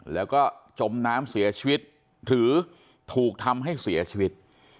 แล้วก็จมน้ำเสียชีวิตหรือถูกทำให้เสียชีวิต